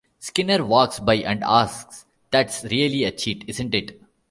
Skinner walks by and asks that's really a cheat, isn't it?